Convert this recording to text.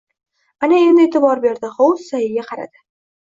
Ana endi e’tibor berdi. Hovuz tagiga qaradi.